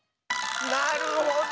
なるほど！